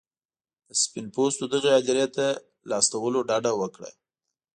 د سپین پوستو دغې هدیرې ته له استولو ډډه وکړه.